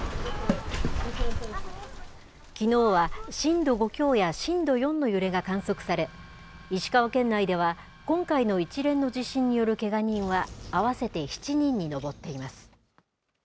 きのうは、震度５強や震度４の揺れが観測され、石川県内では今回の一連の地震によるけが人は合わせて７人に上っています。